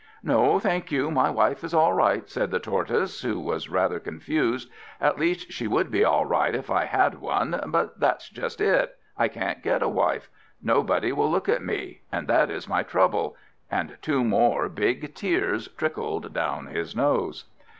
"No, thank you, my wife is all right," said the Tortoise, who was rather confused; "at least, she would be all right if I had one, but that's just it I can't get a wife! Nobody will look at me! and that is my trouble," and two more big tears trickled down his nose.